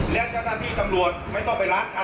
คือยังไงวันนี้ไปมันจะเจอบอดเยอะแล้วละครับ